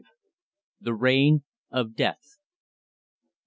THE RAIN OF DEATH.